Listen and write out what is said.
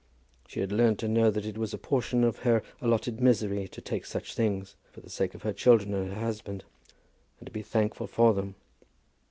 She had learned to know that it was a portion of her allotted misery to take such things, for the sake of her children and her husband, and to be thankful for them.